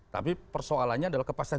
tapi persoalannya adalah kepastian